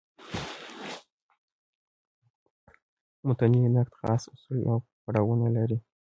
متني نقد خاص اصول او پړاوونه لري.